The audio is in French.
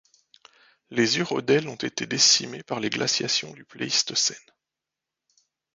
Les urodèles ont été décimés par les glaciations du Pléistocène.